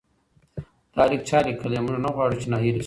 دا لیک چا لیکلی دی؟ موږ نه غواړو چې ناهیلي سو.